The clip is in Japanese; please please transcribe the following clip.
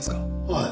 はい。